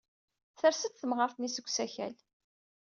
Ters-d temɣart-nni seg usakal.